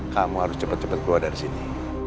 kamu harus cepet cepet keluar dari sini